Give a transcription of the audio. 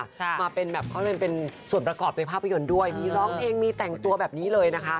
เขาเป็นส่วนประกอบในภาพยนตร์ด้วยมีร้องเพลงมีแต่งตัวแบบนี้เลยนะคะ